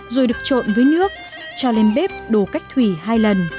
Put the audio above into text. rồi được trộn với nước cho lên bếp đồ cách thủy hai lần